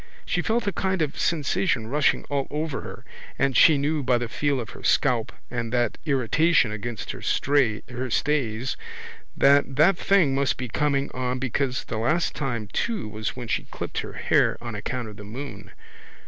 She felt a kind of a sensation rushing all over her and she knew by the feel of her scalp and that irritation against her stays that that thing must be coming on because the last time too was when she clipped her hair on account of the moon.